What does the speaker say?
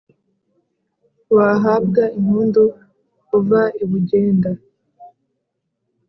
wahabwa impundu uva i bugenda